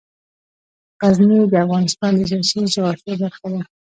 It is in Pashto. غزني د افغانستان د سیاسي جغرافیه برخه ده.